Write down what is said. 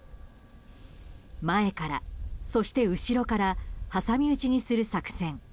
前から、そして後ろから挟み撃ちにする作戦。